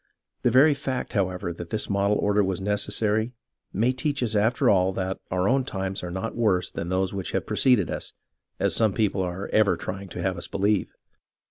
The very fact, however, that this model order was neces sary may teach us after all that our own times are not worse than those which have preceded us, as some people are ever trying to have us believe.